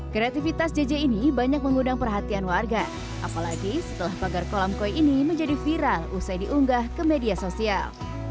kreativitas jj ini banyak mengundang perhatian warga apalagi setelah pagar kolam koi ini menjadi viral usai diunggah ke media sosial